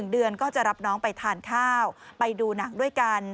เดือนก็จะรับน้องไปทานข้าวไปดูหนังด้วยกัน